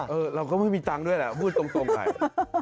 เราก็ไม่มีตังค์ด้วยแหละพูดตรงไป